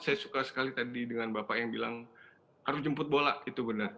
saya suka sekali tadi dengan bapak yang bilang harus jemput bola itu benar